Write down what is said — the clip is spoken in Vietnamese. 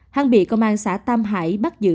hắn bị công an xã tam hải bắt giữ